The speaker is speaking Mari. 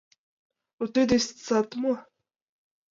Но тиде сад мо?